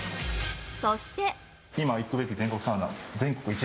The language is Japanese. そして。